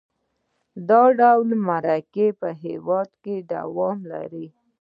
دا ډول مرګونه په هېواد کې دوام لري.